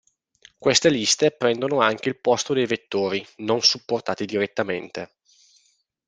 Queste liste prendono anche il posto dei vettori, non supportati direttamente.